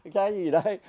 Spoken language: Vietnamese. cái gì đấy